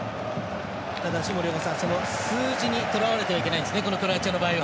ただ、森岡さんその数字に捉われてはいけないんですねクロアチアの場合は。